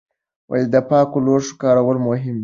د پاکو لوښو کارول مهم دي.